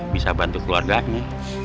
bisa bantu keluarganya